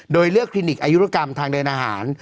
โดยเลือกคลินิกอายุรกรรมทางเดินอาหาร